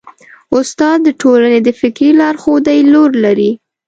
استاد د ټولنې د فکري لارښودۍ رول لري.